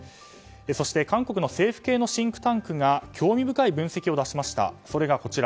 そして、韓国の政府系のシンクタンクが興味深い分析を出しました。